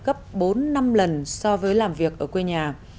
gấp bốn năm lần so với làm việc ở quê nhà